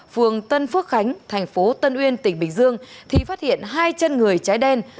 phường tân phước khánh thành phố tân uyên tỉnh bình dương thì phát hiện hai chân người trái đen